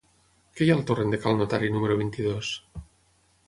Què hi ha al torrent de Cal Notari número vint-i-dos?